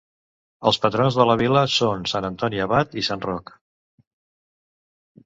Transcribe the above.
Els patrons de la vila són sant Antoni Abat i sant Roc.